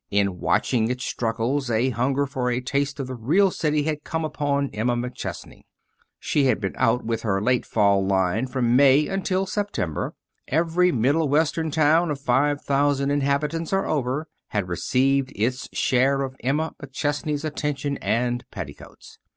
In watching its struggles a hunger for a taste of the real city had come upon Emma McChesney. She had been out with her late Fall line from May until September. Every Middle Western town of five thousand inhabitants or over had received its share of Emma McChesney's attention and petticoats.